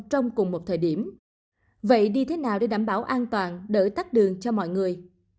trong cùng một thời điểm vậy đi thế nào để đảm bảo an toàn đỡ tắt đường cho mọi người